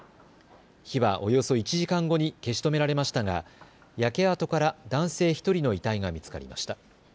火はおよそ１時間後に消し止められましたが焼け跡から男性１人の遺体が見つかりました。